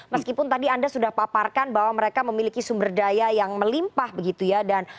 meskipun tadi anda sudah paparkan bahwa mereka memiliki sumber daya yang melimpah begitu ya